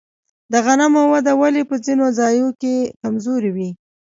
د غنمو وده ولې په ځینو ځایونو کې کمزورې وي؟